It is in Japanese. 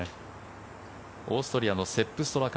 オーストラリアのセップ・ストラカ。